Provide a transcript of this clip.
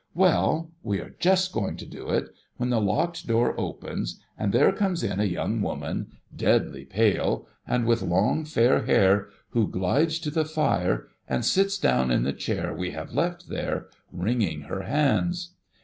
Well ! we are just going to do it, when the locked door opens, and there comes in a young woman, deadly pale, and with long fair hair, who glides to the fire, and sits down in the chair we have left there, wringing her hands.